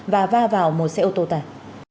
và va vào một xe ô tô tải